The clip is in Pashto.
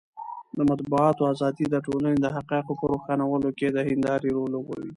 د مطبوعاتو ازادي د ټولنې د حقایقو په روښانولو کې د هندارې رول لوبوي.